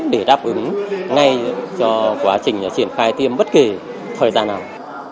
để đáp ứng ngay cho quá trình triển khai tiêm bất kỳ thời gian nào